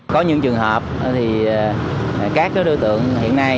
có những trường hợp thì các đối tượng hiện nay